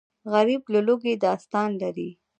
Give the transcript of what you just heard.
غریب د لوږې داستان لري